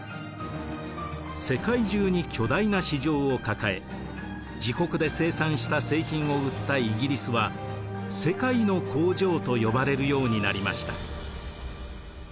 世界中に巨大な市場を抱え自国で生産した製品を売ったイギリスは世界の工場と呼ばれるようになりました。